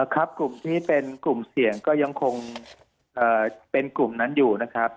กลุ่มที่เป็นกลุ่มเสี่ยงก็ยังคงเป็นกลุ่มนั้นอยู่นะครับ